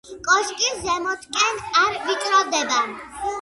კოშკი ზემოთკენ არ ვიწროვდება.